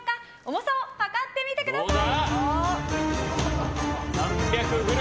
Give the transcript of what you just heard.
重さを量ってみてください。